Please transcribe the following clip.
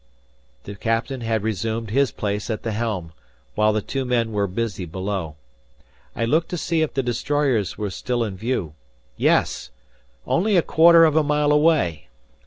The captain had resumed his place at the helm, while the two men were busy below. I looked to see if the destroyers were still in view. Yes! Only a quarter of a mile away!